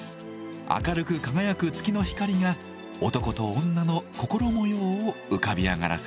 明るく輝く月の光が男と女の心模様を浮かび上がらせています。